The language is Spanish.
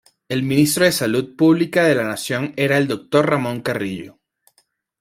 El Ministro de Salud Pública de la Nación era el Dr. Ramón Carrillo.